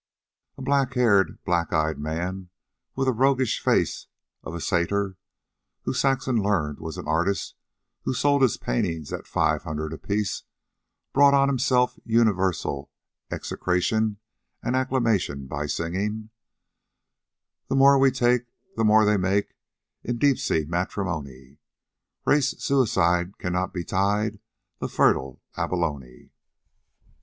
A black haired, black eyed man with the roguish face of a satyr, who, Saxon learned, was an artist who sold his paintings at five hundred apiece, brought on himself universal execration and acclamation by singing: "The more we take, the more they make In deep sea matrimony; Race suicide cannot betide The fertile abalone."